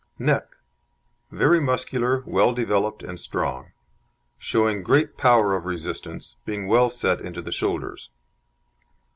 NECK Very muscular, well developed, and strong; showing great power of resistance, being well set into the shoulders.